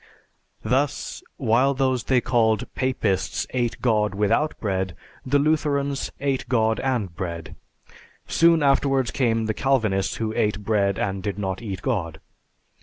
Thus, while those they called Papists ate God without bread, the Lutherans ate God and bread; soon afterwards came the Calvinists, who ate bread and did not eat God."